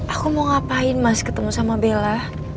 aku mau ngapain mas ketemu sama bella